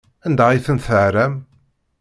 Anda ay tent-tɛerram?